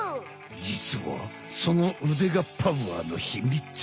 じつはそのうでがパワーのひみつ！